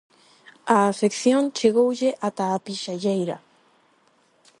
A afección chegoulle ata a pixalleira.